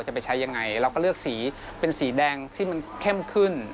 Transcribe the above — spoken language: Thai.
จะไปใช้ยังไงเราก็เลือกสีเป็นสีแดงที่มันเข้มขึ้น